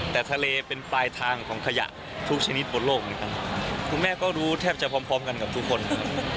แต่ทะเลเป็นปลายทางของขยะทุกชนิดบนโลกเหมือนกันคุณแม่ก็รู้แทบจะพร้อมพร้อมกันกับทุกคนครับ